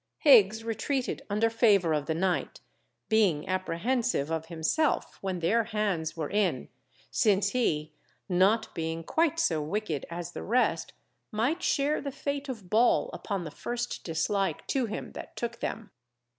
Higgs retreated under favour of the night, being apprehensive of himself when their hands were in, since he, not being quite so wicked as the rest, might share the fate of Ball upon the first dislike to him that took them.